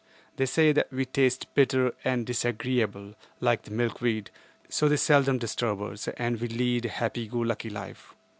They say that we taste bitter and disagreeable, like the milkweed, so they seldom disturb us, and we lead a happy go lucky life.